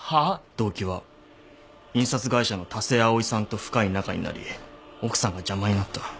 動機は印刷会社の田瀬葵さんと深い仲になり奥さんが邪魔になった。